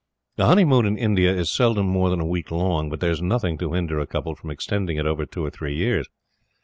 A honeymoon in India is seldom more than a week long; but there is nothing to hinder a couple from extending it over two or three years.